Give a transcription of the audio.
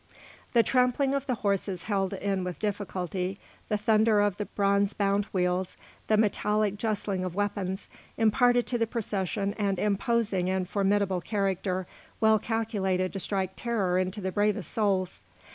The trampling of the horses held in with difficulty, the thunder of the bronze bound wheels, the metallic justling of weapons, imparted to the procession an imposing and formidable character well calculated to strike terror into the bravest souls.